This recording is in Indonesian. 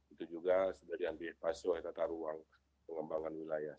itu juga sederhananya di pasuai tata ruang pengembangan wilayah